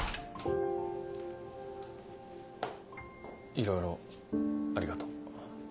いろいろありがとう。